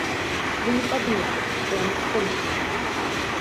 Вы не падумайце, што яны скончыліся.